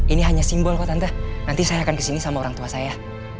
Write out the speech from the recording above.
ini hanya simbol kok tante nanti saya akan kesini sama orang tua saya